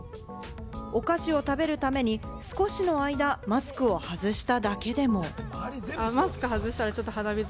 お菓子を食べるために少しの間、マスクを外しただけでも。